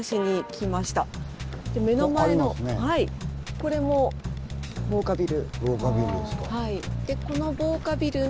これも防火ビル。